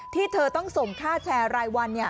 ที่เธอต้องส่งค่าแชร์รายวัน